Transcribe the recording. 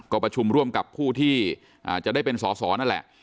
กรปฐร่วมกับผู้ที่จะได้เป็นสสนั่นแหละ